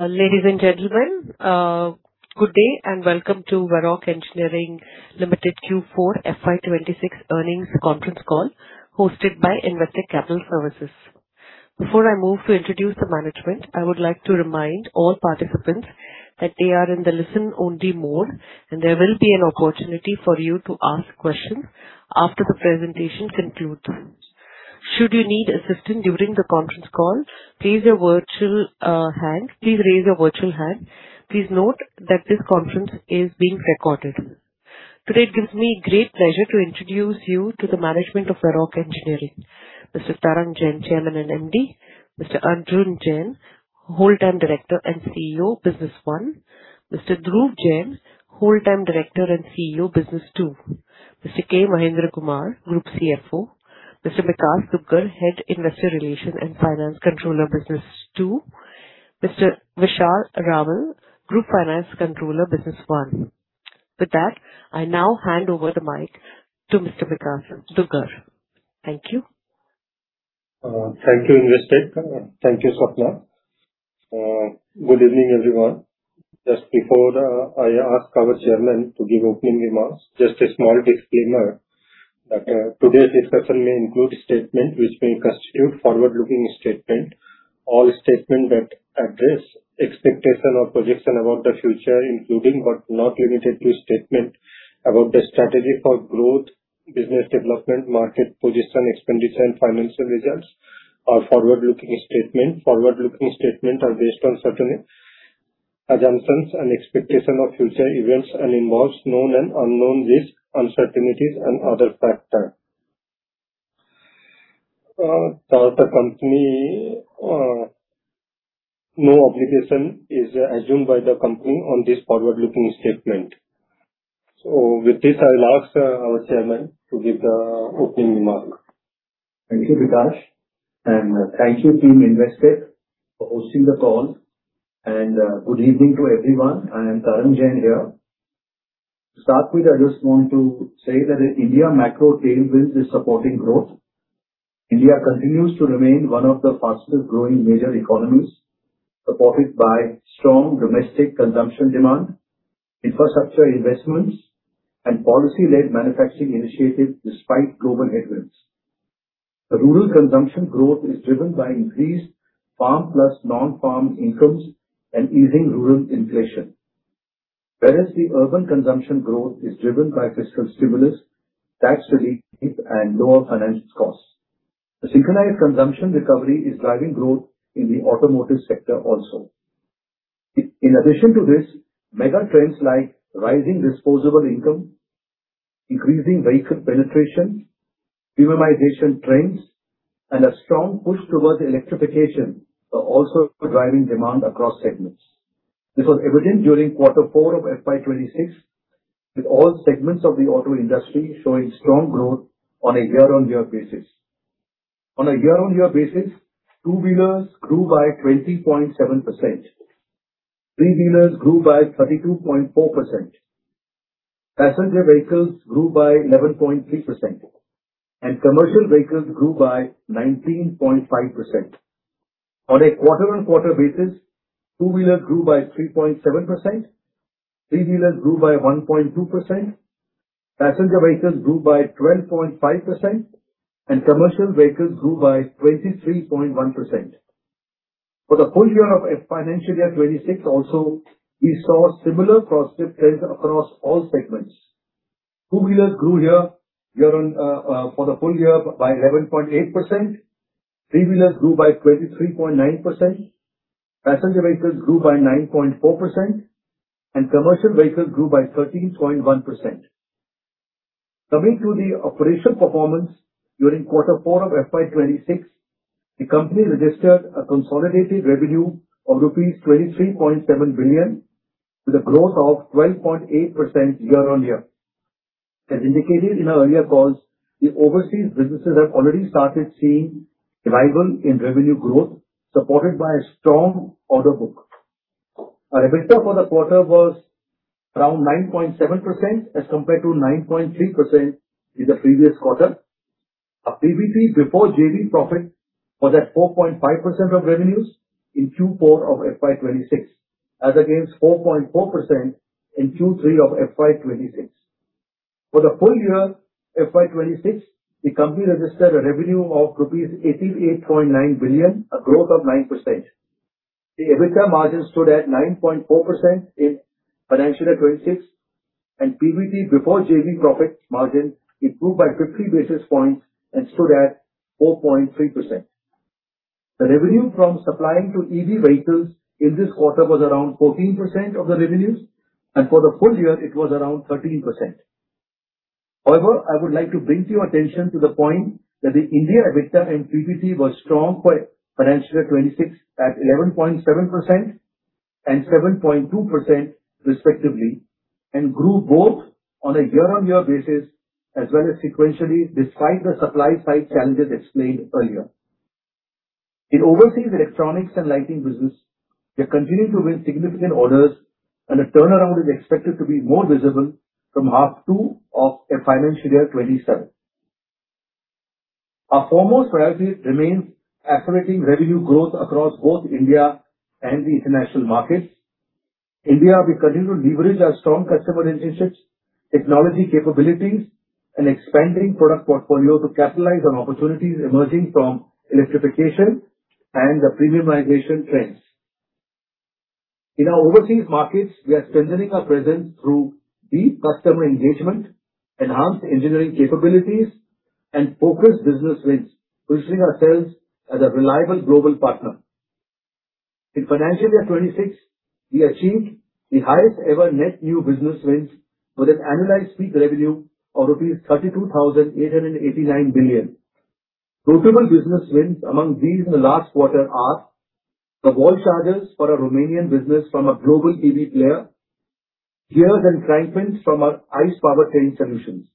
Ladies and gentlemen, good day and welcome to Varroc Engineering Limited Q4 FY 2026 earnings conference call hosted by Investec Capital Services. Before I move to introduce the management, I would like to remind all participants that they are in the listen-only mode and there will be an opportunity for you to ask questions after the presentation concludes. Should you need assistance during the conference call, please raise your virtual hand. Please note that this conference is being recorded. Today, it gives me great pleasure to introduce you to the management of Varroc Engineering. Mr. Tarang Jain, Chairman and MD. Mr. Arjun Jain, Whole Time Director and CEO, Business I. Mr. Dhruv Jain, Whole Time Director and CEO, Business II. Mr. Mahendra Kumar, Group CFO. Mr. Bikash Dugar, Head, Investor Relations and Finance Controller, Business II. Mr. Vishal Raval, Group Finance Controller, Business I. With that, I now hand over the mic to Mr. Bikash Dugar. Thank you. Thank you, Investec. Thank you, Swapna. Good evening, everyone. Just before I ask our Chairman to give opening remarks, just a small disclaimer that today's discussion may include statements which may constitute forward-looking statements. All statements that address expectation or projection about the future, including, but not limited to statements about the strategy for growth, business development, market position, expenditure and financial results are forward-looking statements. Forward-looking statements are based on certain assumptions and expectations of future events and involve known and unknown risks, uncertainties and other factors. No obligation is assumed by the company on this forward-looking statement. With this, I'll ask our Chairman to give the opening remarks. Thank you, Bikash, and thank you team Investec for hosting the call and good evening to everyone. I am Tarang Jain here. To start with, I just want to say that the India macro tailwinds is supporting growth. India continues to remain one of the fastest growing major economies, supported by strong domestic consumption demand, infrastructure investments and policy-led manufacturing initiatives despite global headwinds. The rural consumption growth is driven by increased farm plus non-farm incomes and easing rural inflation. Whereas the urban consumption growth is driven by fiscal stimulus, tax relief and lower finance costs. The synchronized consumption recovery is driving growth in the automotive sector also. In addition to this, mega trends like rising disposable income, increasing vehicle penetration, urbanization trends, and a strong push towards electrification are also driving demand across segments. This was evident during Q4 of FY 2026 with all segments of the auto industry showing strong growth on a year-on-year basis. On a year-on-year basis, two-wheelers grew by 20.7%, three-wheelers grew by 32.4%, passenger vehicles grew by 11.3%, and commercial vehicles grew by 19.5%. On a quarter-on-quarter basis, two-wheelers grew by 3.7%, three-wheelers grew by 1.2%, passenger vehicles grew by 12.5%, and commercial vehicles grew by 23.1%. For the full year of financial year 2026 also, we saw similar positive trends across all segments. Two-wheelers grew for the full year by 11.8%, three-wheelers grew by 23.9%, passenger vehicles grew by 9.4%, and commercial vehicles grew by 13.1%. Coming to the operational performance, during Q4 of FY 2026, the company registered a consolidated revenue of rupees 23.7 billion with a growth of 12.8% year-on-year. As indicated in our earlier calls, the overseas businesses have already started seeing revival in revenue growth, supported by a strong order book. Our EBITDA for the quarter was around 9.7% as compared to 9.3% in the previous quarter. Our PBT before JV profit was at 4.5% of revenues in Q4 of FY 2026, as against 4.4% in Q3 of FY 2026. For the full year FY 2026, the company registered a revenue of rupees 88.9 billion, a growth of 9%. The EBITDA margin stood at 9.4% in FY 2026, and PBT before JV profit margin improved by 50 basis points and stood at 4.3%. The revenue from supplying to EV vehicles in this quarter was around 14% of the revenues, and for the full year it was around 13%. I would like to bring to your attention to the point that the India EBITDA and PBT was strong for FY 2026 at 11.7% and 7.2% respectively and grew both on a year-on-year basis as well as sequentially despite the supply side challenges explained earlier. In overseas electronics and lighting business, we are continuing to win significant orders and a turnaround is expected to be more visible from half two of FY 2027. Our foremost priority remains accelerating revenue growth across both India and the international markets. India, we continue to leverage our strong customer relationships, technology capabilities and expanding product portfolio to capitalize on opportunities emerging from electrification and the premium migration trends. In our overseas markets, we are strengthening our presence through deep customer engagement, enhanced engineering capabilities and focused business wins, positioning ourselves as a reliable global partner. In financial year 2026, we achieved the highest ever net new business wins with an annualized peak revenue of rupees 32,889 billion. Profitable business wins among these in the last quarter are the wall chargers for our Romanian business from a global EV player, gears and crankpins from our ICE powertrain solutions.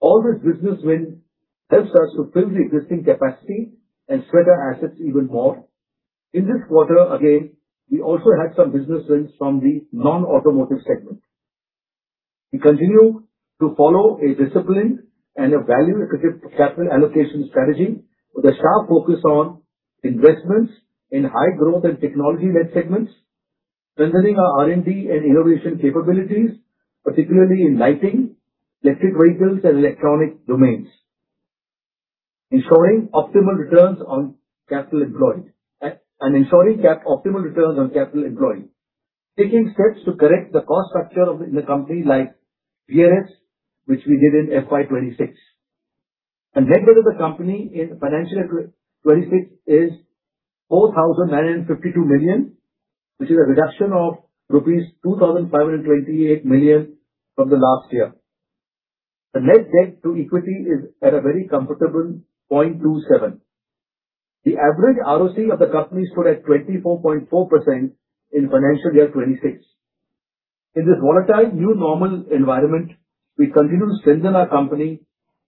All this business win helps us to fill the existing capacity and spread our assets even more. In this quarter, again, we also had some business wins from the non-automotive segment. We continue to follow a disciplined and a value-accretive capital allocation strategy with a sharp focus on investments in high growth and technology-led segments, strengthening our R&D and innovation capabilities, particularly in lighting, electric vehicles and electronic domains, ensuring optimal returns on capital employed. Taking steps to correct the cost structure in the company like VRS, which we did in FY 2026. The net worth of the company in financial year 2026 is 4,952 million, which is a reduction of rupees 2,528 million from the last year. The net debt to equity is at a very comfortable 0.27. The average ROC of the company stood at 24.4% in financial year 2026. In this volatile new normal environment, we continue to strengthen our company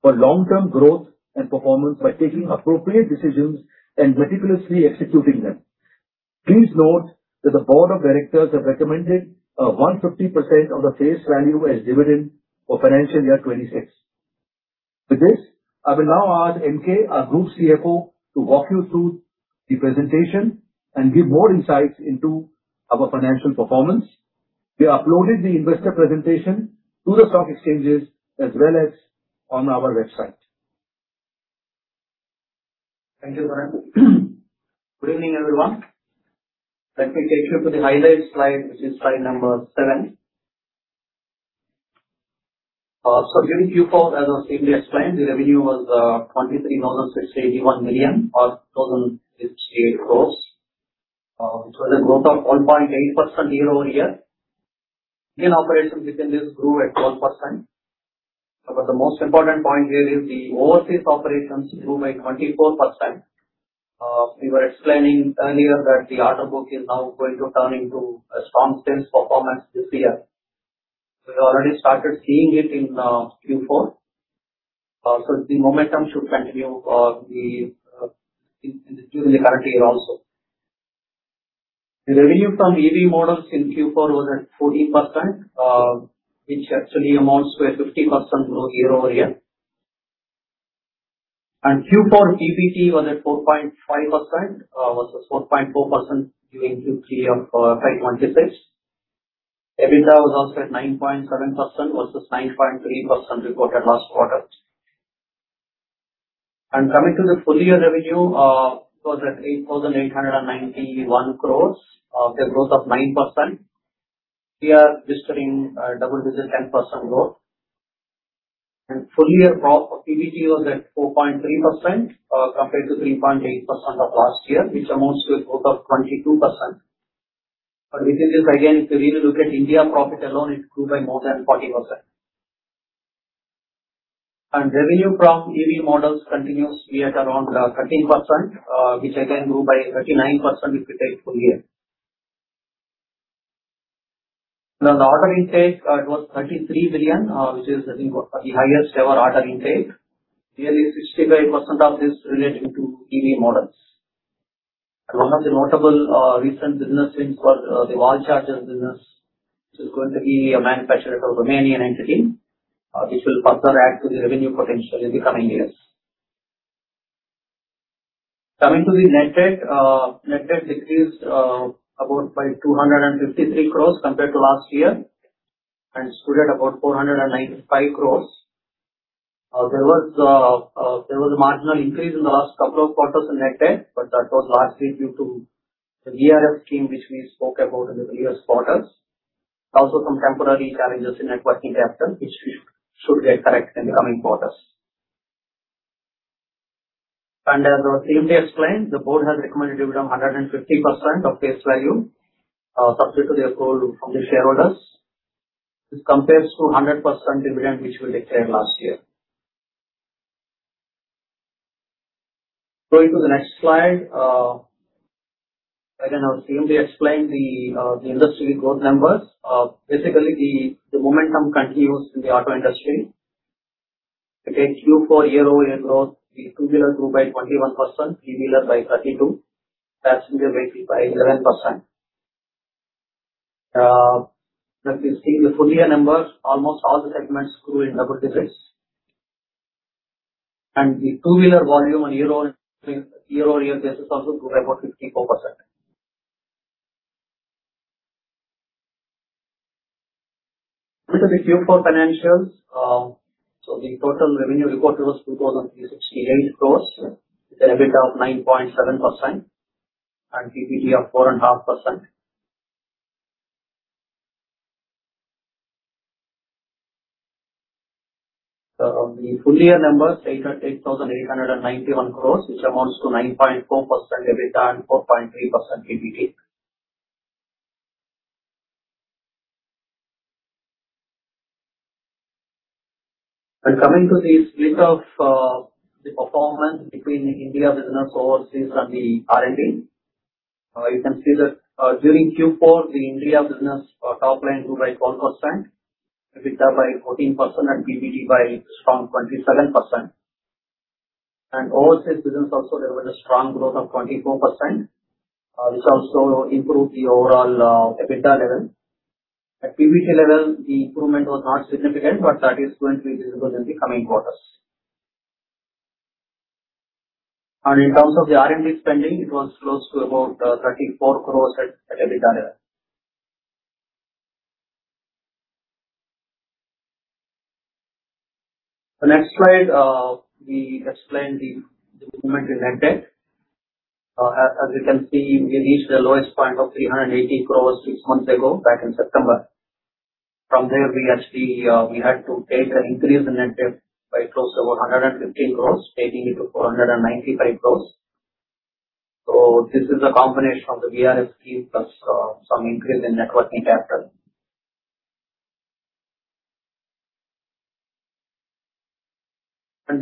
for long-term growth and performance by taking appropriate decisions and meticulously executing them. Please note that the board of directors have recommended a 150% of the face value as dividend for financial year 2026. With this, I will now ask M.K., our Group Chief Financial Officer, to walk you through the presentation and give more insights into our financial performance. We uploaded the investor presentation to the stock exchanges as well as on our website. Thank you, Tarang. Good evening, everyone. Let me take you to the highlights slide, which is slide number seven. Giving Q4, as was previously explained, the revenue was 23,681 million or 2368 crore. Which was a growth of 1.8% year-over-year. Indian operations within this grew at 12%. The most important point here is the overseas operations grew by 24%. We were explaining earlier that the order book is now going to turn into a strong sales performance this year. We already started seeing it in Q4. The momentum should continue during the current year also. The revenue from EV models in Q4 was at 14%, which actually amounts to a 50% growth year-over-year. Q4 PBT was at 4.5% versus 4.4% during Q3 of FY 2026. EBITDA was also at 9.7% versus 9.3% reported last quarter. Coming to the full year revenue, it was at 8,891 crores with a growth of 9%. We are whispering double-digit 10% growth. Full year profit PBT was at 4.3%, compared to 3.8% of last year, which amounts to a growth of 22%. Within this, again, if you really look at India profit alone, it grew by more than 40%. Revenue from EV models continues to be at around 13%, which again grew by 39% if you take full year. The order intake, it was 33 billion, which is I think the highest ever order intake. Nearly 65% of this relating to EV models. One of the notable recent business wins was the wall chargers business, which is going to be manufactured for a Romanian entity, which will further add to the revenue potential in the coming years. Coming to the net debt. Net debt decreased about by 253 crore compared to last year, stood at about 495 crore. There was a marginal increase in the last couple of quarters in net debt, That was largely due to the VRS scheme, which we spoke about in the previous quarters. Also some temporary challenges in net working capital, which should get corrected in the coming quarters. As was previously explained, the board has recommended a dividend of 150% of face value, subject to the approval from the shareholders. This compares to 100% dividend which we declared last year. Going to the next slide. Again, I'll briefly explain the industry growth numbers. Basically, the momentum continues in the auto industry. Again, Q4 year-over-year growth, the two-wheeler grew by 21%, three-wheeler by 32%, passenger vehicle by 11%. If you see the full year numbers, almost all the segments grew in double digits. The two-wheeler volume on year-over-year basis also grew by about 54%. This is the Q4 financials. The total revenue reported was 2,368 crores with an EBITDA of 9.7% and PBT of 4.5%. The full year numbers, 8,891 crores, which amounts to 9.4% EBITDA and 4.3% PBT. Coming to the split of the performance between the India business overseas and the R&D. You can see that during Q4, the India business top line grew by 1%, EBITDA by 14% and PBT by a strong 27%. Overseas business also delivered a strong growth of 24%. This also improved the overall EBITDA level. At PBT level, the improvement was not significant, but that is going to be visible in the coming quarters. In terms of the R&D spending, it was close to about 34 crores at EBITDA level. The next slide, we explained the movement in net debt. As you can see, we reached the lowest point of 318 crore six months ago, back in September. From there, we had to take an increase in net debt by close to about 115 crore, taking it to 495 crore. This is a combination of the VRS scheme plus some increase in net working capital.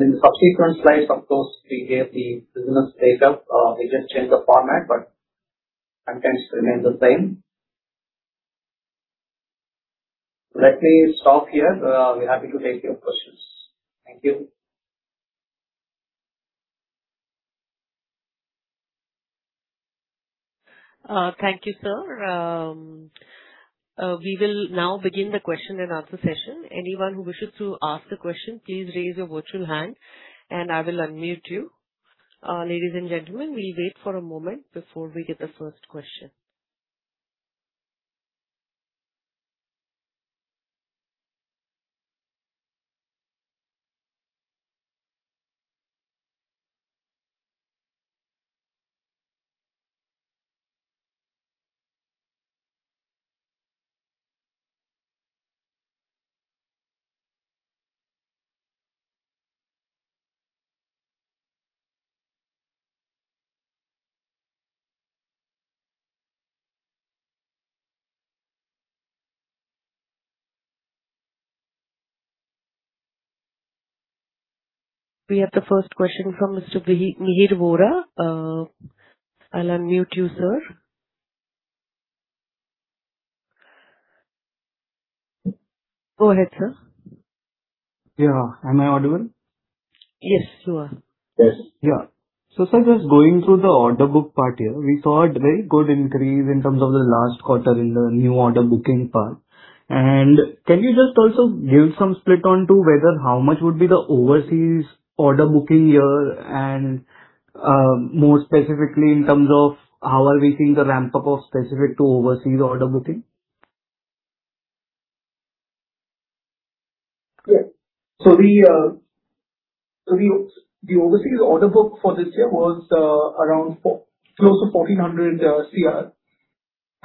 In the subsequent slides, of course, we gave the business breakup. We just changed the format, but contents remain the same. Let me stop here. We are happy to take your questions. Thank you. Thank you, sir. We will now begin the question-and-answer session. Anyone who wishes to ask the question, please raise your virtual hand and I will unmute you. Ladies and gentlemen, we will wait for a moment before we get the first question. We have the first question from Mr. Mihir Vora. I will unmute you, sir. Go ahead, sir. Yeah. Am I audible? Yes, you are. Yes. Sir, just going through the order book part here, we saw a very good increase in terms of the last quarter in the new order booking part. Can you just also give some split onto whether how much would be the overseas order booking here and more specifically in terms of how are we seeing the ramp-up of specific to overseas order booking? Yeah. The overseas order book for this year was around close to 1,400 crore.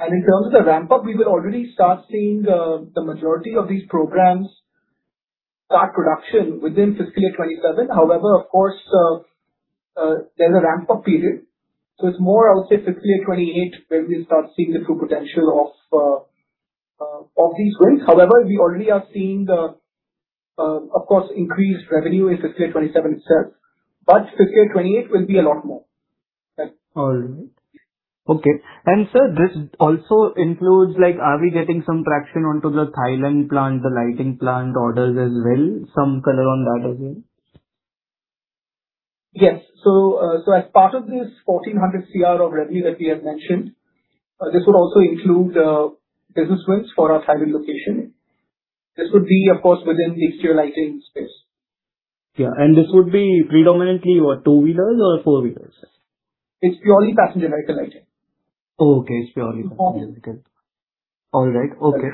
In terms of the ramp-up, we will already start seeing the majority of these programs start production within fiscal year 2027. However, of course, there's a ramp-up period. It's more, I would say, fiscal year 2028 where we'll start seeing the true potential of these wins. However, we already are seeing the, of course, increased revenue in fiscal year 2027 itself, but fiscal year 2028 will be a lot more. All right. Okay. Sir, this also includes, are we getting some traction onto the Thailand plant, the lighting plant orders as well? Some color on that as well. Yes. As part of this 1,400 crore of revenue that we have mentioned, this would also include business wins for our Thailand location. This would be, of course, within the exterior lighting space. Yeah. This would be predominantly what, two-wheelers or four-wheelers? It's purely passenger vehicle lighting. Okay. It's purely passenger vehicle. All right. Okay.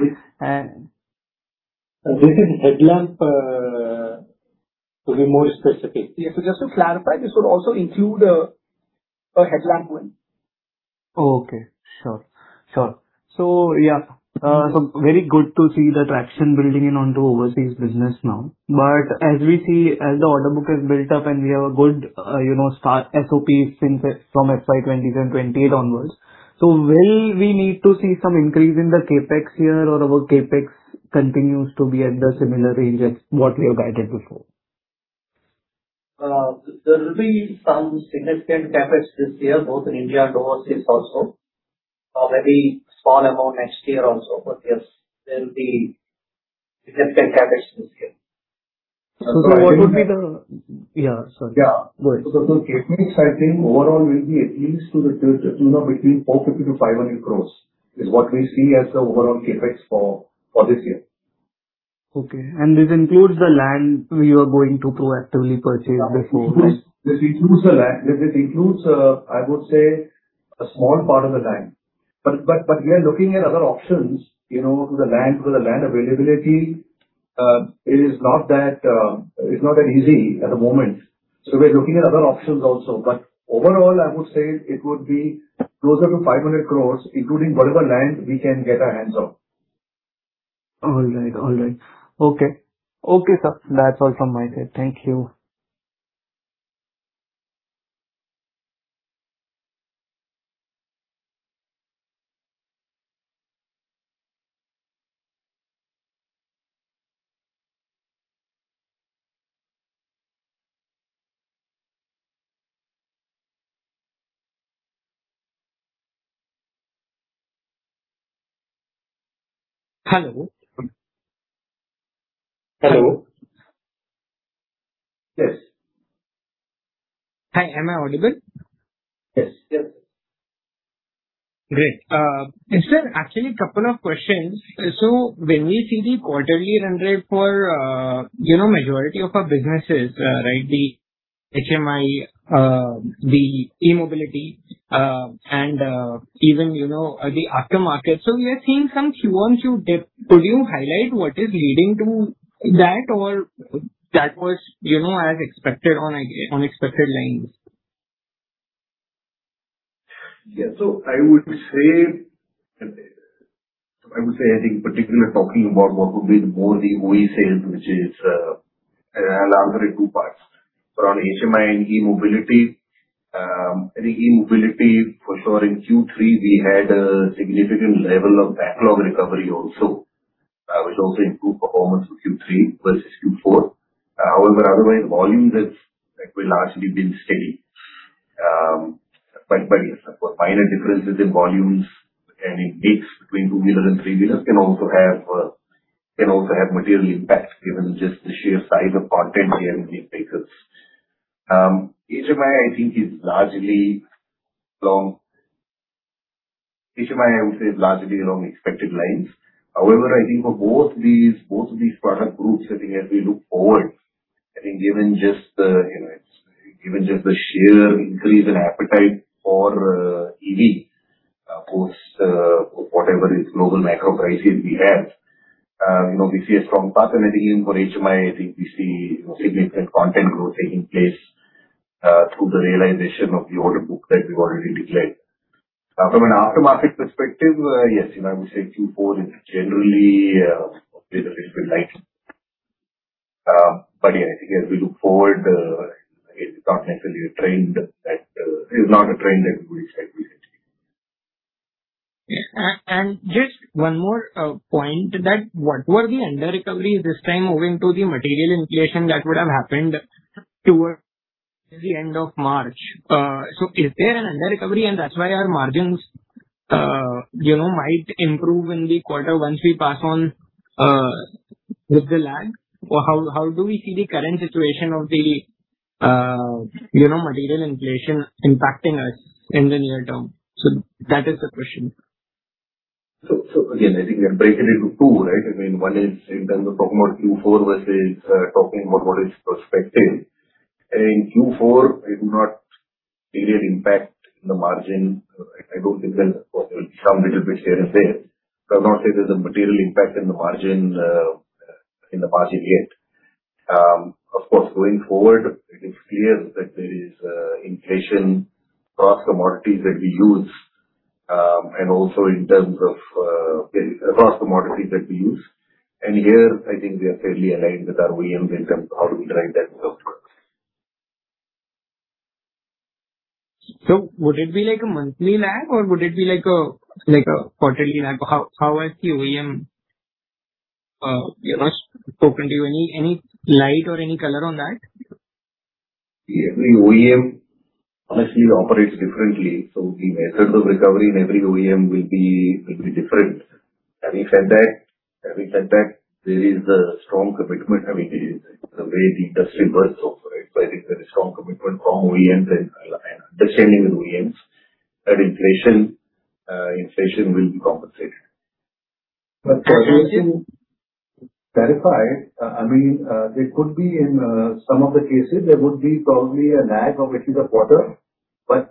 This is headlamp, to be more specific? Yeah. Just to clarify, this would also include a headlamp win. Okay. Sure. Yeah. Very good to see the traction building in onto overseas business now. As we see, as the order book is built up and we have a good SOP from FY 2027 and 2028 onwards, will we need to see some increase in the CapEx here or our CapEx continues to be at the similar range as what we have guided before? There will be some significant CapEx this year, both in India and overseas also. A very small amount next year also. Yes, there will be significant CapEx this year. Yeah, sorry. Yeah. Go ahead. The CapEx, I think overall will be at least to the tune of between 450-500 crores, is what we see as the overall CapEx for this year. Okay. This includes the land you are going to proactively purchase before, right? This includes the land. This includes, I would say, a small part of the land. We are looking at other options for the land, because the land availability is not that easy at the moment. We're looking at other options also. Overall, I would say it would be closer to 500 crores, including whatever land we can get our hands on. All right. Okay. Okay, sir. That's all from my side. Thank you. Hello. Hello. Yes. Hi. Am I audible? Yes. Great. Actually, couple of questions. When we see the quarterly run rate for majority of our businesses, the HMI, the e-mobility, and even the aftermarket, we are seeing some Q1 dip. Could you highlight what is leading to that, or that was as expected on expected lines? Yeah. I would say, I think particularly talking about what would be more the OE sales, which is larger in two parts. On HMI and e-mobility, for sure in Q3, we had a significant level of backlog recovery also, which also improved performance of Q3 versus Q4. However, otherwise, volumes have largely been steady. Minor differences in volumes and in mix between two-wheeler and three-wheeler can also have material impact given just the sheer size of content here in these vehicles. HMI, I would say, is largely along expected lines. However, I think for both of these product groups, I think as we look forward, I think given just the sheer increase in appetite for EV post whatever is global macro crisis we have, we see a strong path. I think even for HMI, I think we see significant content growth taking place through the realization of the order book that we've already declared. From an aftermarket perspective, yes, we say Q4 is generally a little bit light. Yeah, I think as we look forward, it's not necessarily a trend that we set. Just one more point, that what were the under-recovery this time moving to the material inflation that would have happened towards the end of March. Is there an under-recovery and that's why our margins might improve in the quarter once we pass on with the lag? How do we see the current situation of the material inflation impacting us in the near term? That is the question. Again, I think we can break it into two, right? One is in terms of talking about Q4 versus talking about what is prospective. In Q4, I do not see an impact in the margin. I don't think there's, of course, some little bit here and there. I'll not say there's a material impact in the margin yet. Of course, going forward, it is clear that there is inflation across commodities that we use, and also in terms of across commodities that we use. Here, I think we are fairly aligned with our OEMs in terms of how do we derive that cost recovery. Would it be like a monthly lag or would it be like a quarterly lag? How has the OEM spoken to you? Any light or any color on that? Every OEM honestly operates differently. The method of recovery in every OEM will be different. Having said that, there is a strong commitment. I mean, the way the industry works, I think there is strong commitment from OEMs and understanding with OEMs that inflation will be compensated. For inflation, clarified, there could be in some of the cases, there would be probably a lag of at least a quarter, but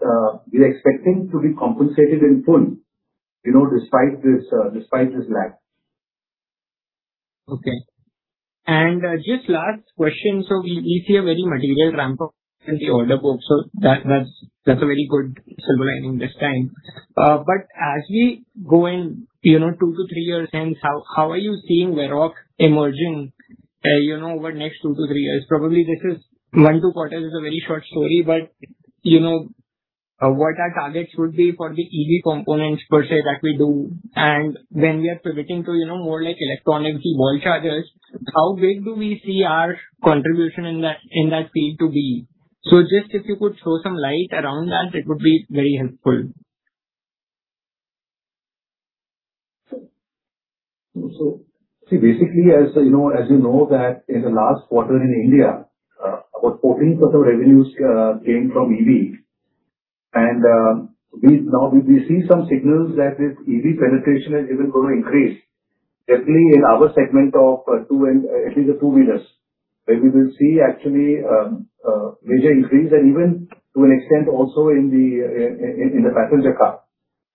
we are expecting to be compensated in full despite this lag. Okay. Just last question. We see a very material ramp-up in the order book. That's a very good silver lining this time. As we go in two to three years hence, how are you seeing Varroc emerging over the next two to three years? Probably this is one, two quarters is a very short story, but what our targets would be for the EV components per se that we do. When we are pivoting to more like electronics, wall chargers, how big do we see our contribution in that space to be? Just if you could throw some light around that, it would be very helpful. Basically, as you know that in the last quarter in India, about 14% of revenues came from EV. Now we see some signals that this EV penetration is even going to increase, definitely in our segment of at least the two-wheelers, where we will see actually a major increase and even to an extent also in the passenger car.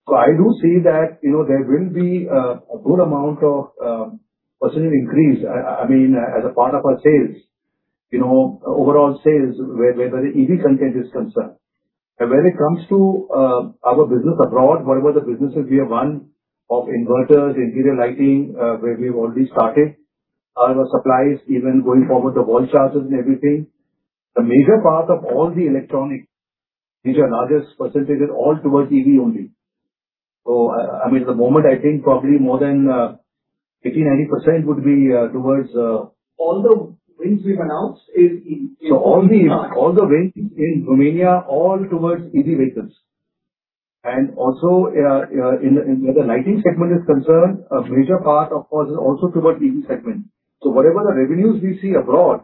I do see that there will be a good amount of percentage increase as a part of our sales, overall sales where the EV content is concerned. When it comes to our business abroad, whatever the businesses we have won of inverters, interior lighting, where we've already started our supplies even going forward to wall chargers and everything, a major part of all the electronic, which are largest percentages, all towards EV only. At the moment, I think probably more than 80%, 90% would be towards- All the wins we've announced is. All the wins in Romania, all towards EV vehicles. Also where the lighting segment is concerned, a major part, of course, is also towards EV segment. Whatever the revenues we see abroad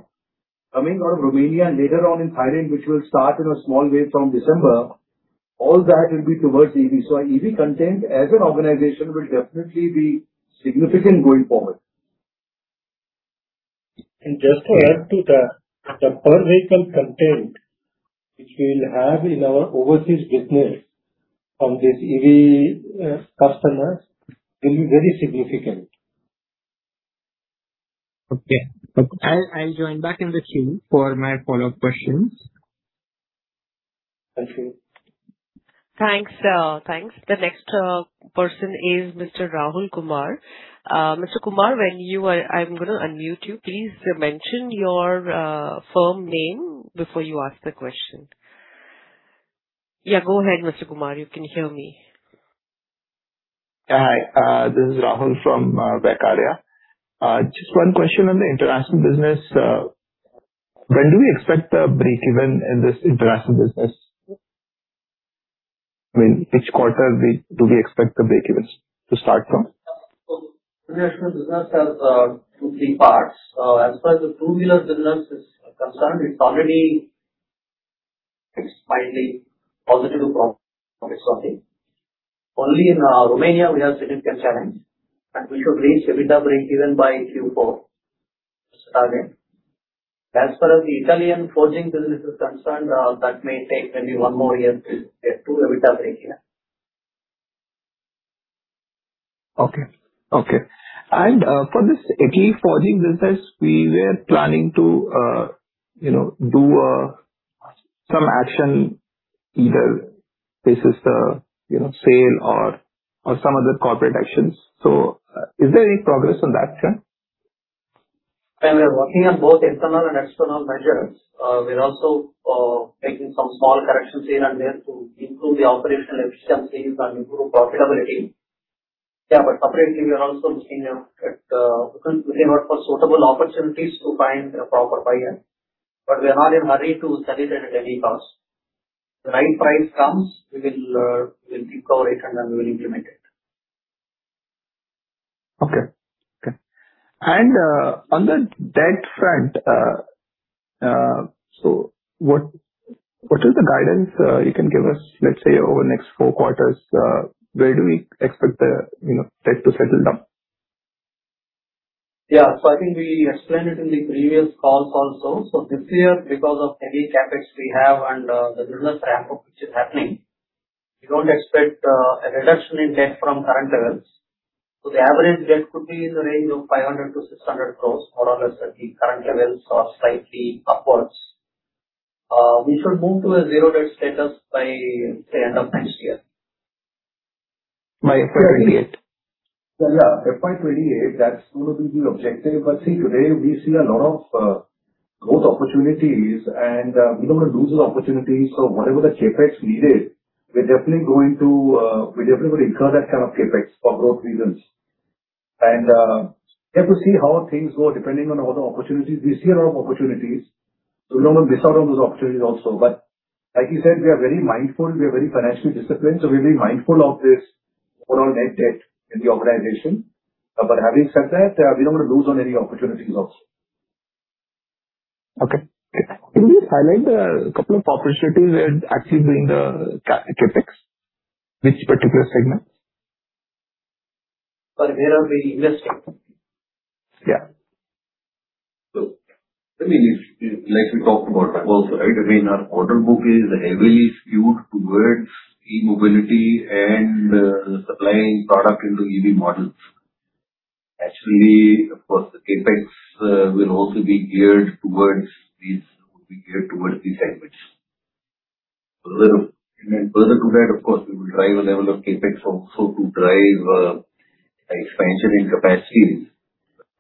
coming out of Romania and later on in Thailand, which will start in a small way from December, all that will be towards EV. Our EV content as an organization will definitely be significant going forward. Just to add to that, the per vehicle content which we'll have in our overseas business from these EV customers will be very significant. Okay. I'll join back in the queue for my follow-up questions. Thank you. Thanks. The next person is Mr. Rahul Kumar. Mr. Kumar, I'm going to unmute you. Please mention your firm name before you ask the question. Go ahead, Mr. Kumar. You can hear me? Hi, this is Rahul from Vaikarya. Just one question on the international business. When do we expect a breakeven in this international business? Which quarter do we expect the breakevens to start from? International business has two, three parts. As far as the two-wheeler business is concerned, it is already slightly positive from this quarter. Only in Romania we have significant challenge, and we should reach EBITDA breakeven by Q4. That is the target. As far as the Italian forging business is concerned, that may take maybe one more year to get to EBITDA breakeven. Okay. For this ATV forging business, we were planning to do some action, either this is the sale or some other corporate actions. Is there any progress on that front? Well, we are working on both internal and external measures. We're also making some small corrections here and there to improve the operational efficiencies and improve profitability. Separately, we are also looking out for suitable opportunities to find a proper buyer. We're not in a hurry to sell it at any cost. The right price comes, we'll recover it and then we'll implement it. Okay. On the debt front, what is the guidance you can give us, let's say, over the next four quarters? Where do we expect the debt to settle down? I think we explained it in the previous calls also. This year, because of heavy CapEx we have and the business ramp-up which is happening, we don't expect a reduction in debt from current levels. The average debt could be in the range of 500 crore-600 crore, more or less at the current levels or slightly upwards. We should move to a zero debt status by end of next year. By FY 2028? Yeah, FY 2028, that's going to be the objective. See, today we see a lot of growth opportunities and we don't want to lose those opportunities. Whatever the CapEx needed, we're definitely going to incur that kind of CapEx for growth reasons. We have to see how things go depending on all the opportunities. We see a lot of opportunities, we don't want to miss out on those opportunities also. Like he said, we are very mindful, we are very financially disciplined, we'll be mindful of this overall net debt in the organization. Having said that, we don't want to lose on any opportunities also. Okay. Can you highlight a couple of opportunities where you're actually doing the CapEx? Which particular segment? Where are we investing? Yeah. Like we talked about also, our order book is heavily skewed towards e-mobility and supplying product into EV models. Naturally, of course, the CapEx will also be geared towards these segments. Further to that, of course, we will drive a level of CapEx also to drive expansion in capacities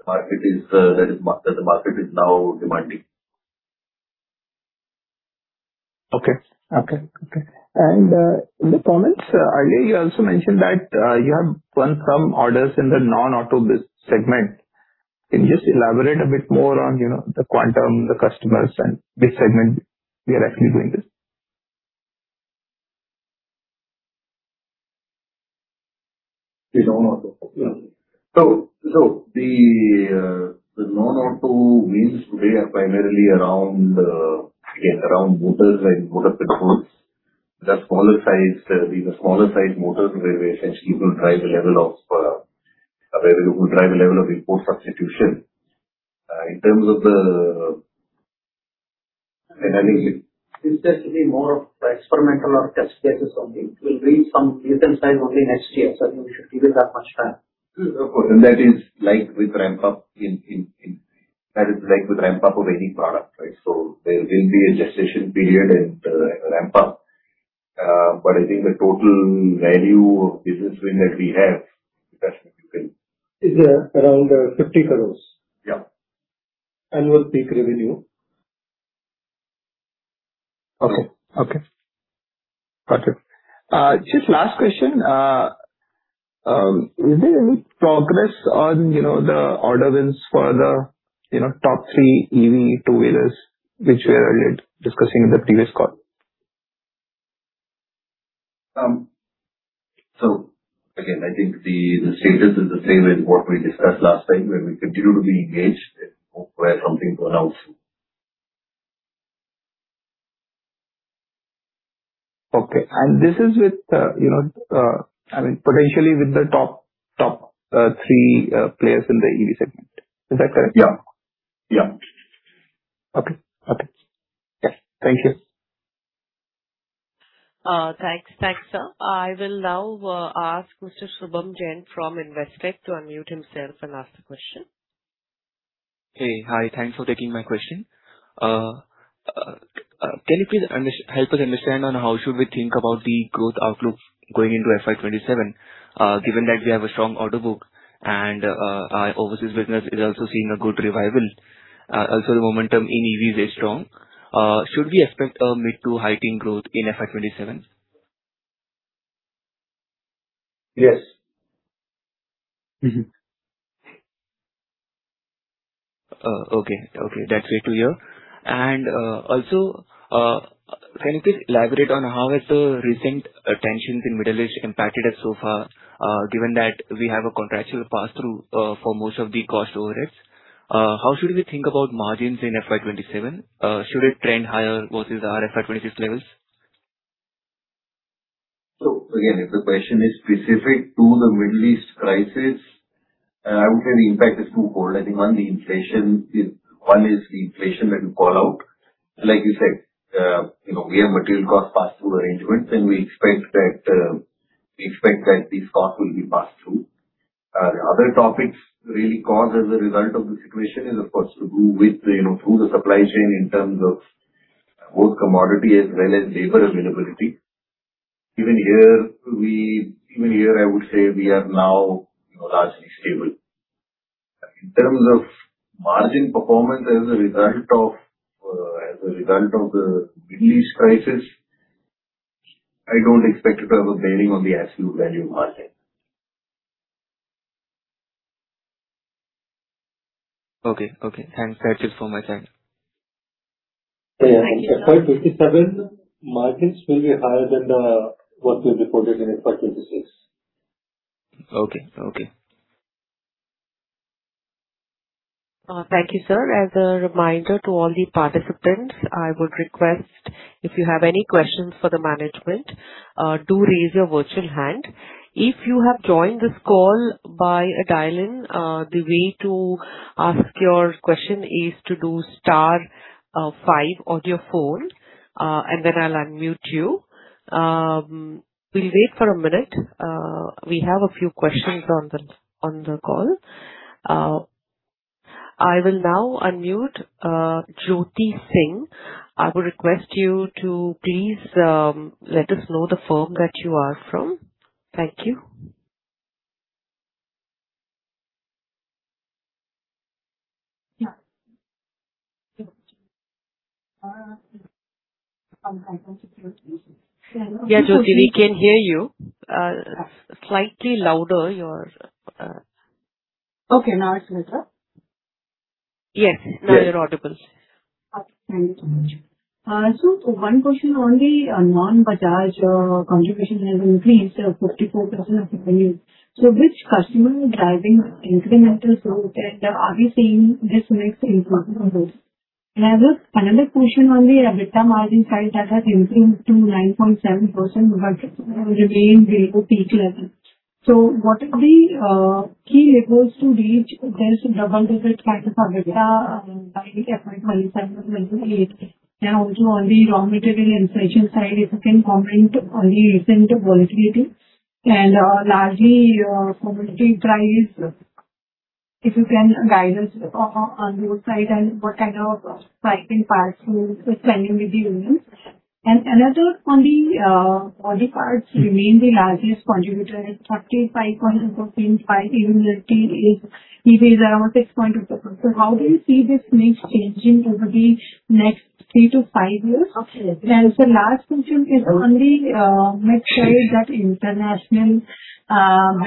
that the market is now demanding. Okay. In the comments earlier, you also mentioned that you have won some orders in the non-auto segment. Can you just elaborate a bit more on the quantum, the customers and which segment we are actually doing this? The non-auto. Yeah. The non-auto wins today are primarily around motors and motor controls. The smaller sized motors, where essentially you will drive the level of import substitution. This has to be more of experimental or test cases only. It will reach some decent size only next year, sir. You should give it that much time. Of course. That is like with ramp up of any product, right? There will be a gestation period and ramp up. I think the total value of business win that we have, if that's what you mean. Is around 50 crores. Yeah. Annual peak revenue. Okay. Okay. Got you. Just last question. Is there any progress on the order wins for the top three EV two-wheelers, which we were discussing in the previous call? Again, I think the status is the same as what we discussed last time, where we continue to be engaged and hope we have something to announce soon. Okay. This is potentially with the top three players in the EV segment. Is that correct? Yeah. Okay. Yeah. Thank you. Thanks, sir. I will now ask Mr. Shubham Jain from Investec to unmute himself and ask the question. Hey, hi. Thanks for taking my question. Can you please help us understand on how should we think about the growth outlook going into FY 2027, given that we have a strong order book and our overseas business is also seeing a good revival. Also, the momentum in EV is very strong. Should we expect a mid to high teen growth in FY 2027? Yes. Mm-hmm. Okay. That's great to hear. Also, can you please elaborate on how has the recent tensions in Middle East impacted us so far, given that we have a contractual pass-through for most of the cost overruns? How should we think about margins in FY 2027? Should it trend higher versus our FY 2026 levels? Again, if the question is specific to the Middle East crisis, I would say the impact is two-fold. I think, one is the inflation that you call out. Like you said, we have material cost pass-through arrangements. We expect that these costs will be passed through. The other topics really caused as a result of this equation is, of course, to do with through the supply chain in terms of both commodity as well as labor availability. Even here, I would say we are now largely stable. In terms of margin performance as a result of the Middle East crisis, I don't expect it to have a bearing on the absolute value margin. Okay. That's it from my side. Yeah. In FY 2027, margins will be higher than what we reported in FY 2026. Okay. Thank you, sir. As a reminder to all the participants, I would request, if you have any questions for the management, do raise your virtual hand. If you have joined this call by a dial-in, the way to ask your question is to do star five on your phone, and then I'll unmute you. We'll wait for a minute. We have a few questions on the call. I will now unmute Jyoti Singh. I would request you to please let us know the firm that you are from. Thank you. Yeah. Yeah, Jyoti, we can't hear you. Slightly louder— Okay, now it's better? Yes. Yes. Now you are audible. Okay. Thank you so much. One question only on non-Bajaj contribution has increased 44% of the revenue. Which customer is driving incremental growth, and are we seeing this mix improvement from those? I have another question only EBITDA margin side that has improved to 9.7% but remained below peak levels. What are the key levers to reach there to double-digit PAT for EBITDA by FY 2027-2028? Also on the raw material inflation side, if you can comment on the recent volatility and largely commodity price, if you can guide us on your side and what kind of pricing pass through is pending with the unions. Another on the body parts remain the largest contributor at 45.6% while the unit is around 6.2%. How do you see this mix changing over the next three to five years? The last question is only make sure that international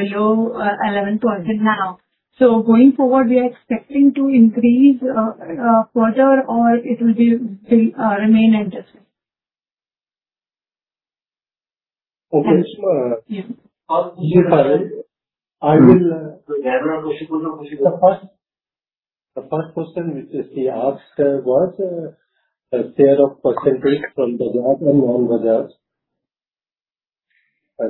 below 11% now. Going forward, we are expecting to increase further or it will remain like this? Okay. Yes. I will- The first question which she asked was, share of percentage from Bajaj and non-Bajaj. The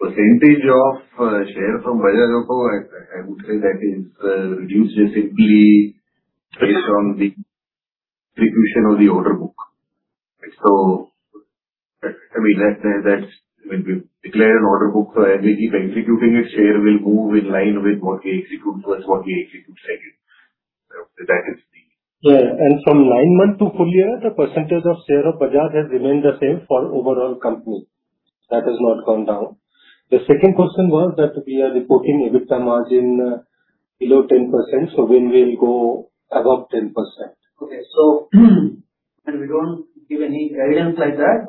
percentage of share from Bajaj Auto, I would say that is reduced simply based on the execution of the order book. When we declare an order book, as we keep executing it, share will move in line with what we execute versus what we execute second. Yeah. From nine months to full year, the percentage of share of Bajaj has remained the same for overall company. That has not gone down. The second question was that we are reporting EBITDA margin below 10%, when we'll go above 10%? Okay. We don't give any guidance like that,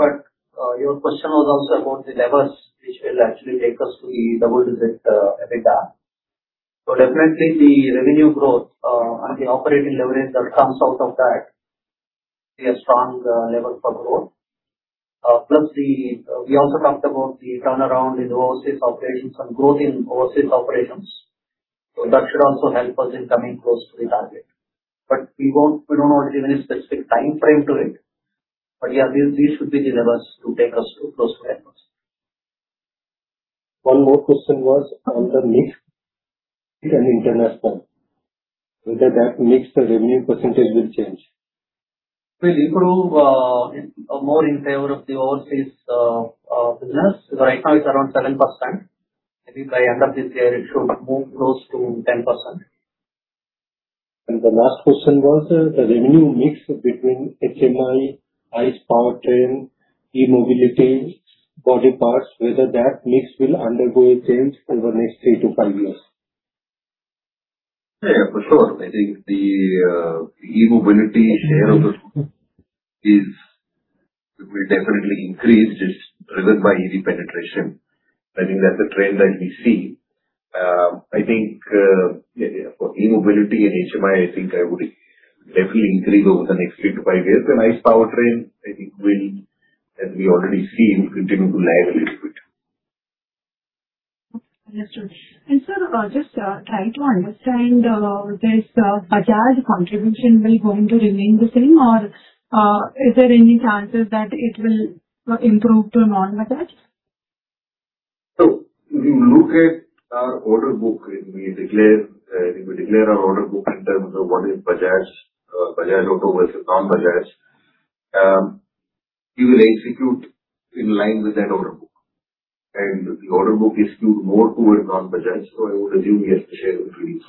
but your question was also about the levers which will actually take us to the double-digit EBITDA. Definitely the revenue growth and the operating leverage that comes out of that, we have strong lever for growth. We also talked about the turnaround in overseas operations and growth in overseas operations. That should also help us in coming close to the target. We don't want to give any specific timeframe to it. Yeah, these should be the levers to take us close to that. One more question was on the mix between domestic and international, whether that mix revenue percentage will change. Will improve more in favor of the overseas business. Right now, it's around 7%. I think by end of this year, it should move close to 10%. The last question was, the revenue mix between HMI, ICE powertrain, e-mobility, body parts, whether that mix will undergo a change over the next three to five years. Yeah, for sure. I think the e-mobility share of the will definitely increase. It's driven by EV penetration. I think that's a trend that we see. I think for e-mobility and HMI, I think that would definitely increase over the next three to five years. ICE powertrain, I think will, as we already seen, continue to lag a little bit. Understood. Sir, just trying to understand, this Bajaj contribution will going to remain the same, or is there any chances that it will improve to a non-Bajaj? We look at our order book, when we declare our order book in terms of what is Bajaj Auto versus non-Bajaj. We will execute in line with that order book. The order book is skewed more towards non-Bajaj, so I would assume, yes, the share will increase.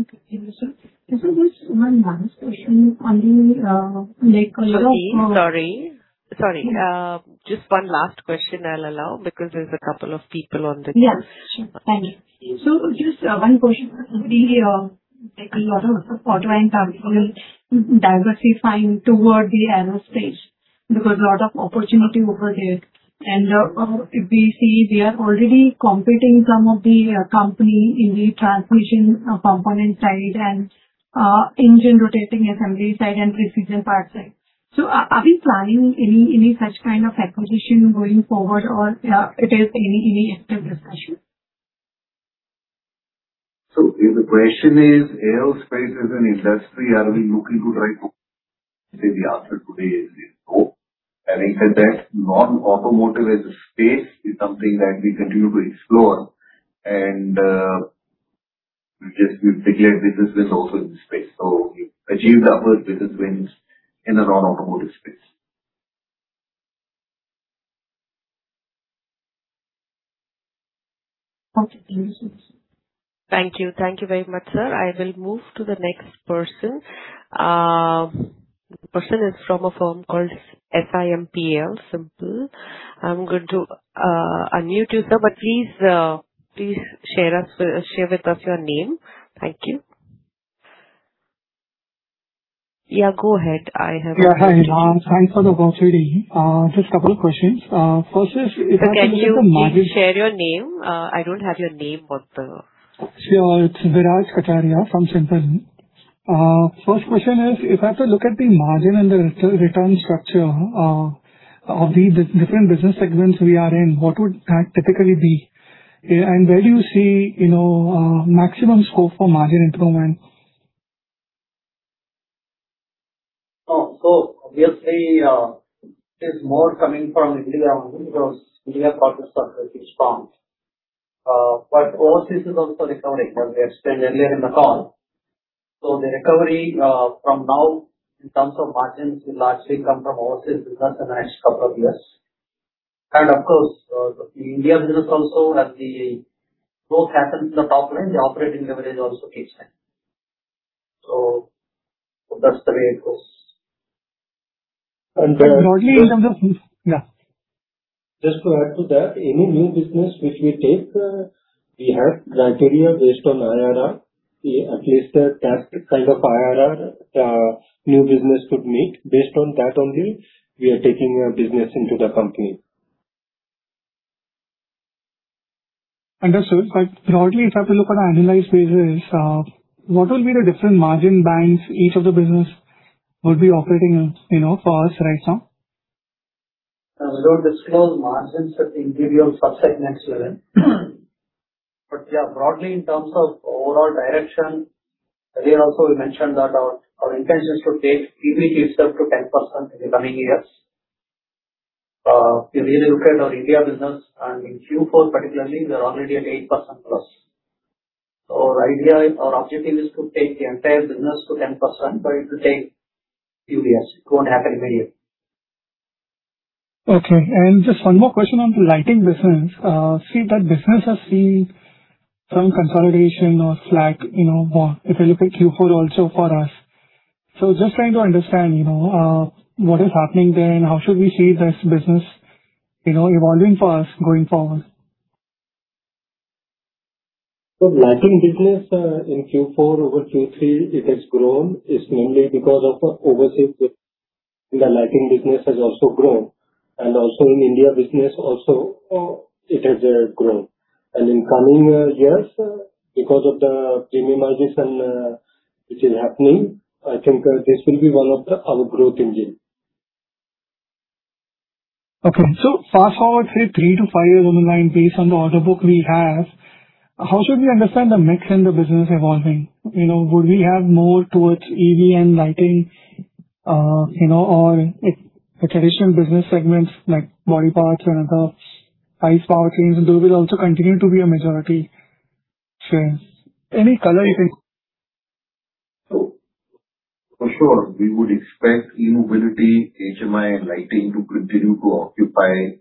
Okay. Understood. Sir, just one last question. Sorry. Just one last question I'll allow because there's a couple of people on the call. Yeah, sure. Thank you. Just one question, sir. We hear a lot of auto and capital diversifying toward the aerospace because lot of opportunity over there. If we see, they are already competing some of the company in the transmission component side and engine rotating assembly side and precision parts side. Are we planning any such kind of acquisition going forward, or it is in any active discussion? If the question is aerospace as an industry, are we looking to drive the answer today is no. I think that non-automotive as a space is something that we continue to explore, and we've declared business wins also in this space. We've achieved our first business wins in the non-automotive space. Okay. Understood, sir. Thank you. Thank you very much, sir. I will move to the next person. The person is from a firm called SiMPL. I'm going to unmute you, sir. Please share with us your name. Thank you. Yeah, go ahead. Yeah, hi. Thanks for the opportunity. Just a couple of questions. First is if I can look at the margin. Sir, can you please share your name? I don't have your name. Sure. It's Viraj Kacharia from SiMPL. First question is, if I have to look at the margin and the return structure of the different business segments we are in, what would that typically be? Where do you see maximum scope for margin improvement? Obviously, there's more coming from India, only because India part of the story is strong. Overseas is also recovering, as we explained earlier in the call. The recovery from now, in terms of margins, will largely come from overseas business in the next couple of years. Of course, the India business also, as the growth happens in the top line, the operating leverage also kicks in. That's the way it goes. Yeah. Just to add to that, any new business which we take, we have criteria based on IRR. At least the kind of IRR the new business could meet. Based on that only, we are taking a business into the company. Understood. Broadly, if I have to look on an an annualized basis, what will be the different margin bands each of the business would be operating in for us right now? We don't disclose margins at the individual segment level. Yeah, broadly, in terms of overall direction, earlier also we mentioned that our intention is to take EBIT itself to 10% in the coming years. If you really look at our India business and in Q4 particularly, we are already at 8% plus. Our objective is to take the entire business to 10%, but it will take a few years. It won't happen immediately. Okay. Just one more question on the lighting business. I see that business has seen some consolidation or slack, if I look at Q4 also for us. Just trying to understand, what is happening there and how should we see this business evolving for us going forward. Lighting business in Q4 over Q3, it has grown. It's mainly because of overseas, the lighting business has also grown and also in India business also it has grown. In coming years, because of the premiumization which is happening, I think this will be one of our growth engine. Okay. Fast-forward say three to five years down the line based on the order book we have, how should we understand the mix in the business evolving? Would we have more towards EV and lighting, or traditional business segments like body parts and other ICE powertrains, those will also continue to be a majority share. Any color you think? For sure. We would expect e-mobility, HMI, and lighting to continue to occupy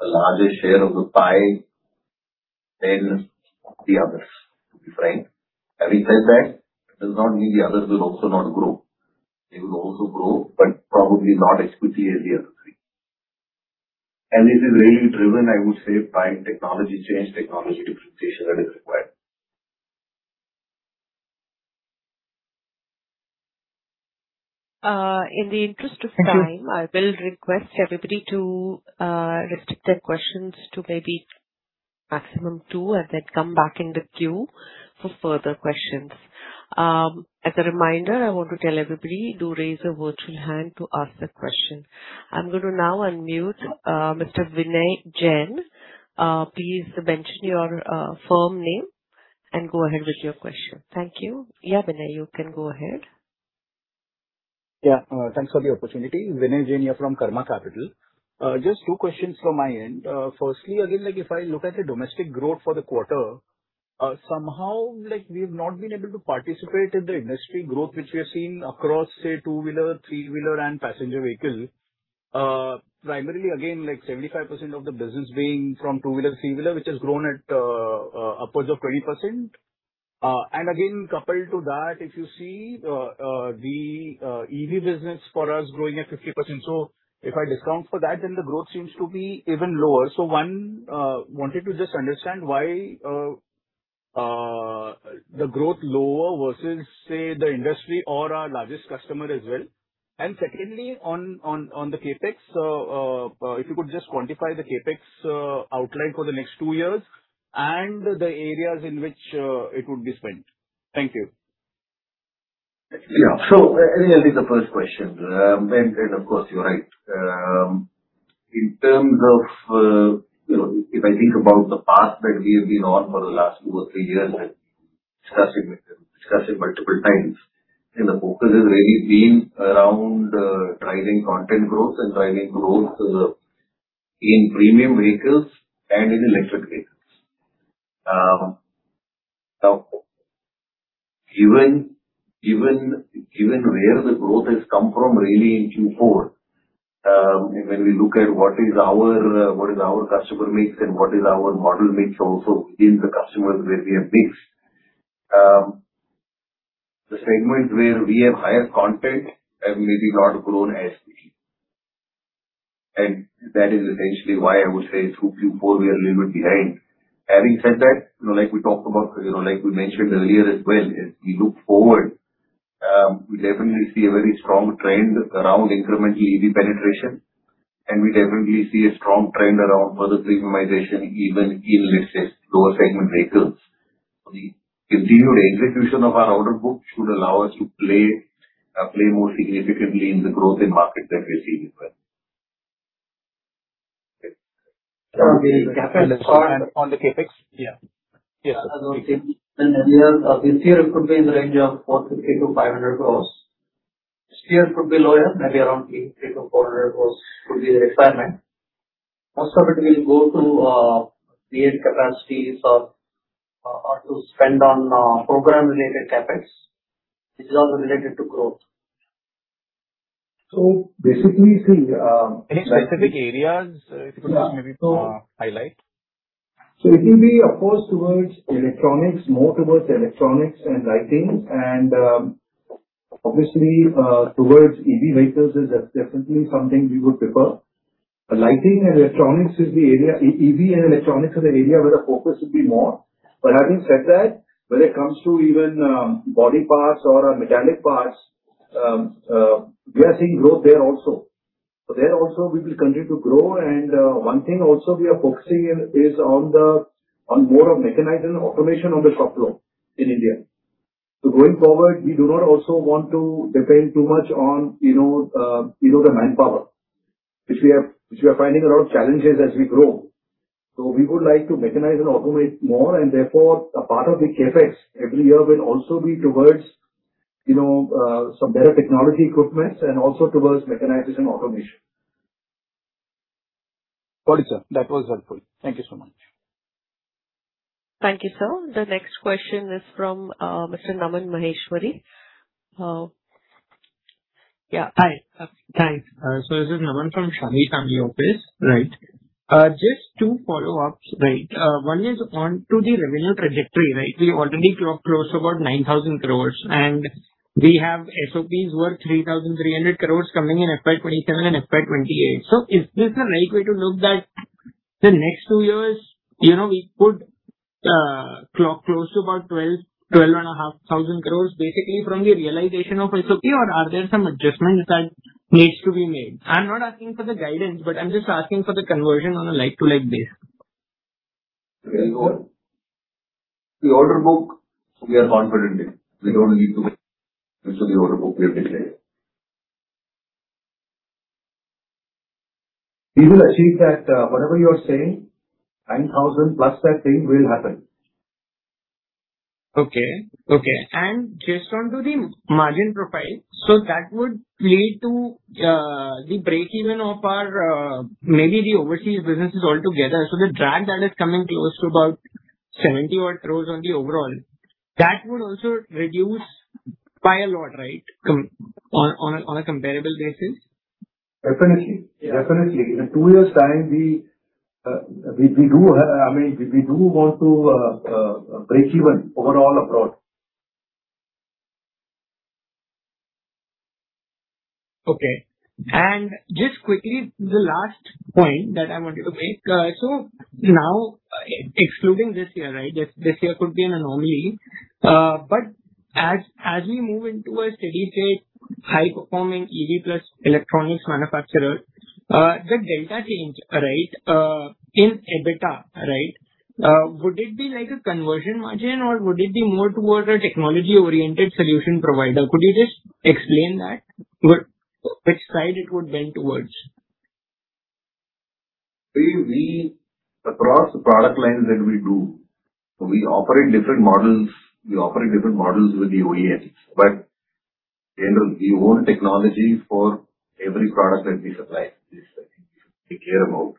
a larger share of the pie than the others, to be frank. Having said that, it does not mean the others will also not grow. They will also grow, but probably not as quickly as the other three. It is really driven, I would say, by technology change, technology differentiation that is required. In the interest of time, I will request everybody to restrict their questions to maybe maximum two, and then come back in the queue for further questions. As a reminder, I want to tell everybody, do raise a virtual hand to ask a question. I'm going to now unmute Mr. Vinay Jain. Please mention your firm name and go ahead with your question. Thank you. Yeah, Vinay, you can go ahead. Yeah. Thanks for the opportunity. Vinay Jain here from Karma Capital. Just two questions from my end. Firstly, again, if I look at the domestic growth for the quarter, somehow, we've not been able to participate in the industry growth which we have seen across, say, two-wheeler, three-wheeler and passenger vehicles. Primarily, again, 75% of the business being from two-wheeler, three-wheeler, which has grown at upwards of 20%. Again, coupled to that, if you see the EV business for us growing at 50%. If I discount for that, then the growth seems to be even lower. One, wanted to just understand why the growth lower versus, say, the industry or our largest customer as well. Secondly, on the CapEx, if you could just quantify the CapEx outline for the next two years and the areas in which it would be spent. Thank you. I'll take the first question. Of course, you're right. In terms of, if I think about the path that we have been on for the last two or three years, discussing multiple times, the focus has really been around driving content growth and driving growth in premium vehicles and in electric vehicles. Given where the growth has come from really in Q4, when we look at what is our customer mix and what is our model mix also in the customers where we have mixed. The segment where we have higher content has really not grown as much. That is essentially why I would say through Q4, we are a little bit behind. Having said that, like we mentioned earlier as well, as we look forward, we definitely see a very strong trend around incremental EV penetration, and we definitely see a strong trend around further premiumization even in, let's say, lower segment vehicles. Continued execution of our order book should allow us to play more significantly in the growth in market that we see as well. On the CapEx? This year, it could be in the range of 450-500 crores. Next year it could be lower, maybe around 300-400 crores could be the requirement. Most of it will go to create capacities or to spend on program related CapEx, which is also related to growth. So basically- Any specific areas you could maybe highlight? It will be, of course, more towards electronics and lighting and obviously, towards EV vehicles is definitely something we would prefer. EV and electronics is the area where the focus would be more. Having said that, when it comes to even body parts or metallic parts, we are seeing growth there also. There also we will continue to grow. One thing also we are focusing is on more of mechanization and automation on the shop floor in India. Going forward, we do not also want to depend too much on the manpower, which we are finding a lot of challenges as we grow. We would like to mechanize and automate more and therefore, a part of the CapEx every year will also be towards some better technology equipments and also towards mechanization automation. Got it, sir. That was helpful. Thank you so much. Thank you, sir. The next question is from Mr. Naman Maheshwari. Yeah, hi. Thanks. This is Naman from Shanghvi Family Office. Just two follow-ups. One is on to the revenue trajectory. We already clocked close to about 9,000 crores. We have SOPs worth 3,300 crores coming in FY 2027 and FY 2028. Is this the right way to look that the next two years, we could clock close to about 12,500 crores basically from the realization of SOP or are there some adjustments that needs to be made? I'm not asking for the guidance, I'm just asking for the conversion on a like-to-like basis. Very good. The order book we are confident in. We don't need to worry. This is the order book we have been saying. We will achieve that, whatever you are saying, 9,000 plus that thing will happen. Okay. Just onto the margin profile. That would lead to the break-even of our maybe the overseas businesses altogether. The drag that is coming close to about 70 crores on the overall, that would also reduce by a lot, right? On a comparable basis. Definitely. Yeah. Definitely. In two years' time, we do want to break even overall abroad. Okay. Just quickly, the last point that I wanted to make. Now, excluding this year, this year could be an anomaly. As we move into a steady state, high performing EV plus electronics manufacturer, the delta change in EBITDA. Would it be like a conversion margin or would it be more towards a technology-oriented solution provider? Could you just explain that? Which side it would bend towards? Across the product lines that we do, we operate different models with the OEMs. In general, we own technologies for every product that we supply. This I think we should be clear about.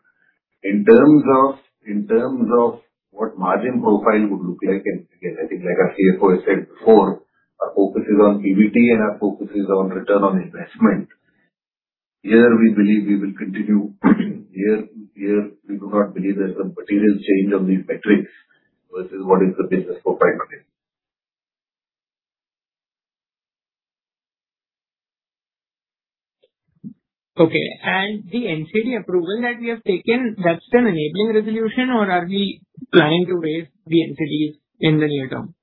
In terms of what margin profile would look like, and again, I think like our CFO has said before, our focus is on EBT and our focus is on return on investment. Here we believe we will continue year to year. We do not believe there's a material change of these metrics versus what is the business profile today. Okay. The NCD approval that we have taken, that's an enabling resolution, or are we planning to raise the NCDs in the near term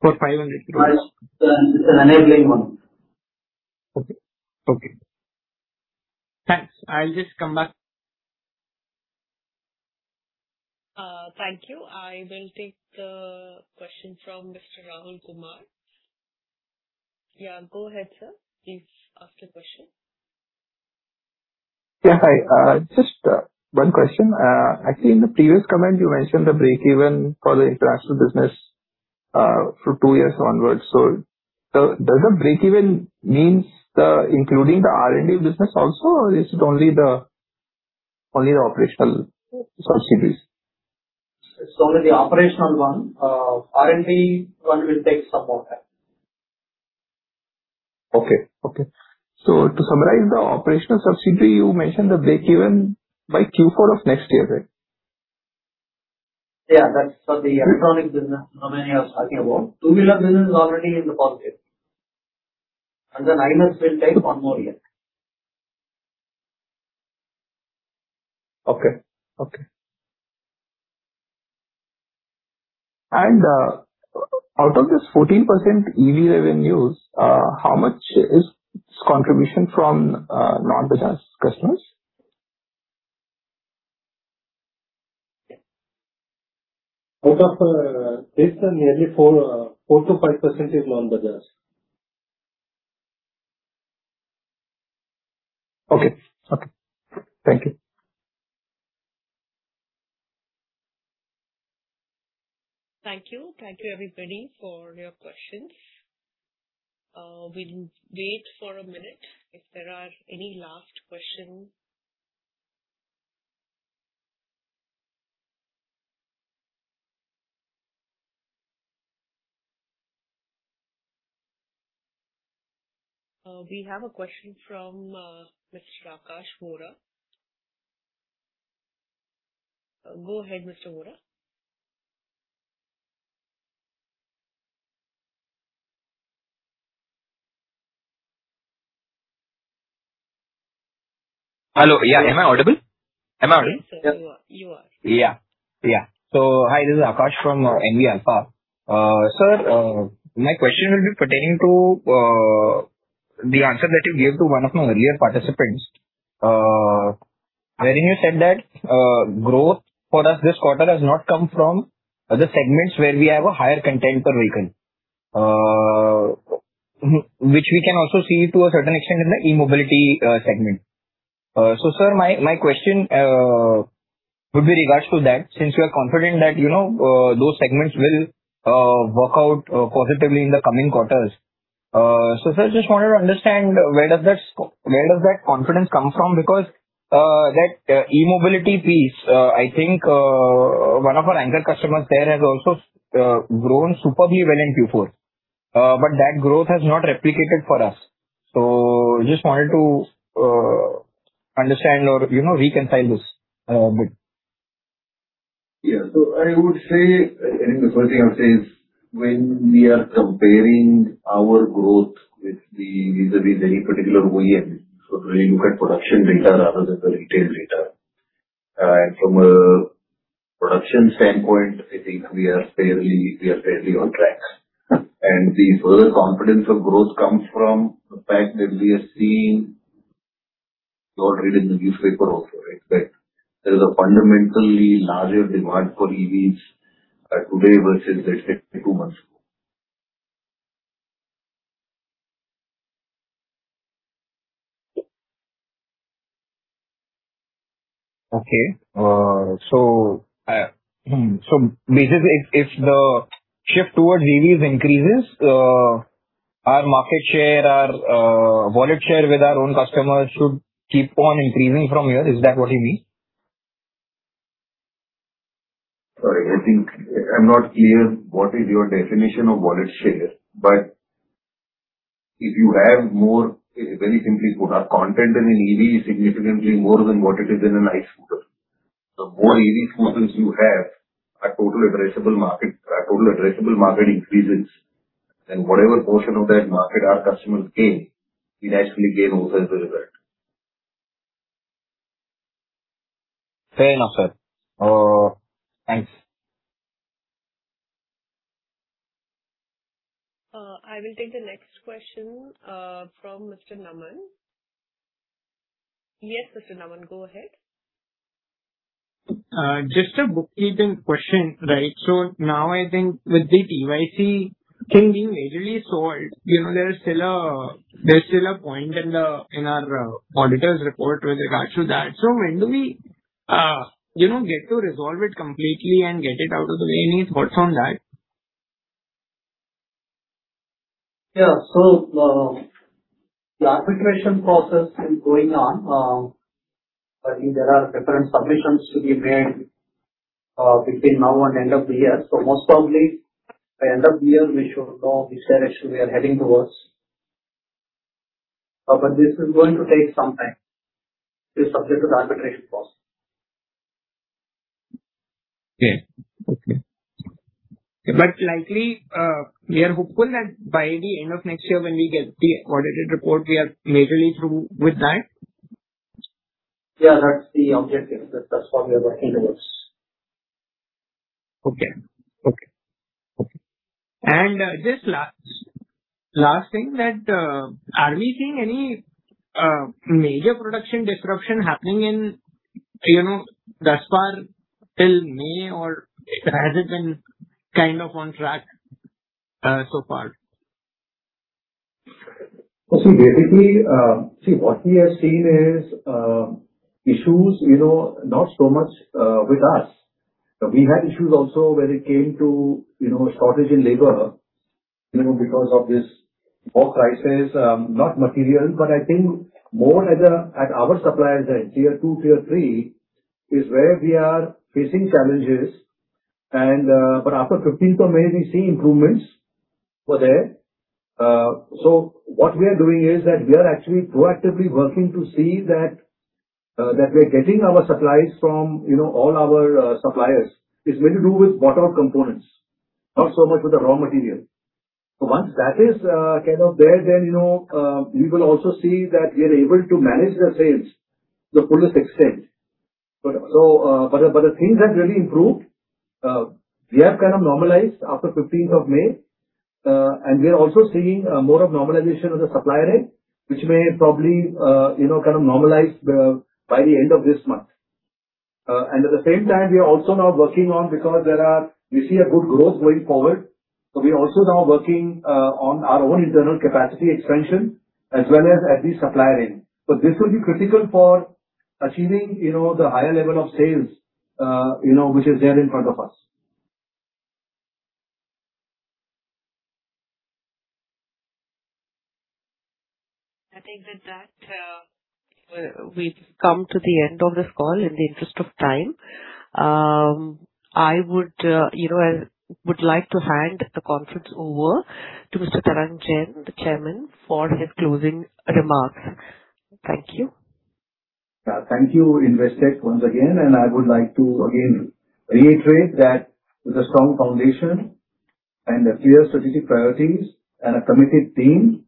for 500 crore? No. It's an enabling one. Okay. Thanks. I'll just come back. Thank you. I will take the question from Mr. Rahul Kumar. Yeah, go ahead, sir. Please ask the question. Yeah, hi. Just one question. Actually, in the previous comment you mentioned the break-even for the international business for two years onwards. Does the break-even means including the R&D business also, or is it only the operational subsidiaries? It's only the operational one. R&D one will take some more time. To summarize the operational subsidiary, you mentioned the break-even by Q4 of next year, right? Yeah, that's for the electronic business, Naman, you are talking about. Two-wheeler business is already in the positive. IMES will take one more year. Okay. Out of this 14% EV revenues, how much is contribution from non-Bajaj customers? Out of this, nearly 4%-5% is non-Bajaj. Okay. Thank you. Thank you. Thank you, everybody, for your questions. We'll wait for a minute if there are any last question. We have a question from Mr. Akash Vora. Go ahead, Mr. Vora. Hello. Yeah, am I audible? Am I audible? Yes, sir. You are. You are. Hi, this is Akash from NV Alpha. Sir, my question will be pertaining to the answer that you gave to one of our earlier participants, wherein you said that growth for us this quarter has not come from the segments where we have a higher content per vehicle, which we can also see to a certain extent in the e-mobility segment. Sir, my question would be in regards to that, since you are confident that those segments will work out positively in the coming quarters. Sir, I just wanted to understand where does that confidence come from? Because that e-mobility piece, I think one of our anchor customers there has also grown superbly well in Q4, but that growth has not replicated for us. Just wanted to understand or reconcile this a bit. Yeah. I think the first thing I would say is when we are comparing our growth vis-à-vis any particular OEM, so we look at production data rather than the retail data. From a production standpoint, I think we are fairly on track. The further confidence of growth comes from the fact that we are seeing, you all read in the newspaper also, right? That there is a fundamentally larger demand for EVs today versus, let's say, two months ago. Okay. Basically, if the shift towards EVs increases, our market share, our wallet share with our own customers should keep on increasing from here. Is that what you mean? Sorry, I'm not clear what is your definition of wallet share. If you have more, very simply put, our content in an EV is significantly more than what it is in an ICE scooter. The more EV scooters you have, our total addressable market increases. Whatever portion of that market our customers gain, we naturally gain also as a result. Fair enough, sir. Thanks. I will take the next question from Mr. Naman. Yes, Mr. Naman, go ahead. Just a bookkeeping question. Now I think with the TYC thing being majorly solved, there's still a point in our auditor's report with regards to that. When do we get to resolve it completely and get it out of the way? Any thoughts on that? Yeah. The arbitration process is going on. I think there are different submissions to be made between now and end of the year. Most probably by end of the year, we should know which direction we are heading towards. This is going to take some time, the subject of arbitration process. Yeah. Okay. Likely, we are hopeful that by the end of next year when we get the audited report, we are majorly through with that? Yeah, that's the objective, that's what we are working towards. Okay. Just last thing, are we seeing any major production disruption happening in thus far till May, or has it been kind of on track so far? Basically, what we have seen is issues, not so much with us. We had issues also when it came to shortage in labor because of this water crisis, not material, but I think more or less at our suppliers end, Tier 2, Tier 3, is where we are facing challenges. After 15th of May, we see improvements for there. What we are doing is that we are actually proactively working to see that we're getting our supplies from all our suppliers. It's mainly to do with bought-out components, not so much with the raw material. Once that is there, we will also see that we are able to manage the sales the fullest extent. The things have really improved. We have normalized after 15th of May, and we are also seeing more of normalization on the supplier end, which may probably normalize by the end of this month. At the same time, because we see a good growth going forward. We are also now working on our own internal capacity expansion as well as at the supplier end. This will be critical for achieving the higher level of sales which is there in front of us. I think with that, we've come to the end of this call in the interest of time. I would like to hand the conference over to Mr. Tarang Jain, the Chairman, for his closing remarks. Thank you. Thank you Investec once again. I would like to again reiterate that with a strong foundation and clear strategic priorities and a committed team,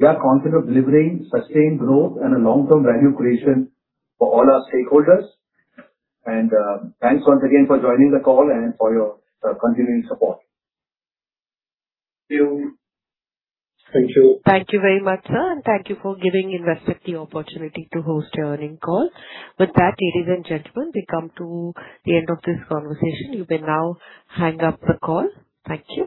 we are confident of delivering sustained growth and a long-term value creation for all our stakeholders. Thanks once again for joining the call and for your continuing support. Thank you. Thank you very much, sir, and thank you for giving Investec the opportunity to host your earning call. With that, ladies and gentlemen, we come to the end of this conversation. You may now hang up the call. Thank you.